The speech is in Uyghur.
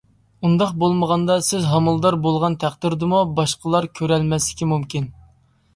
ئۇنداق بولمىغاندا سىز ھامىلىدار بولغان تەقدىردىمۇ باشقىلار كۆرەلمەسلىكى مۇمكىن.